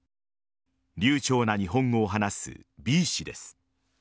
流暢な日本語を話すＢ氏です。